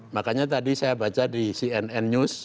makanya tadi saya baca di cnn news